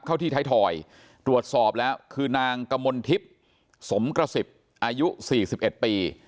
เข้าที่ไทยทอยตรวจสอบแล้วคือนางกมลทิพย์สมกระสิบอายุ๔๑ปี